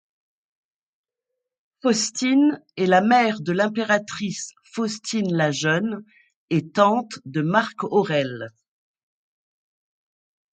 Faustine est la mère de l'impératrice Faustine la Jeune et tante de Marc Aurèle.